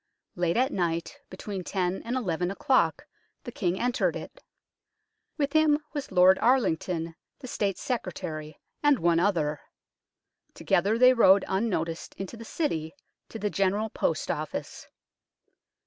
Late at night, between ten and eleven o'clock, the King entered it. With him was Lord Arlington, the State Secretary, and one other. Together they rode unnoticed into the City, to the General Post Office.